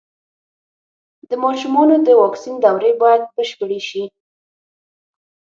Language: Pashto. د ماشومانو د واکسین دورې بايد بشپړې شي.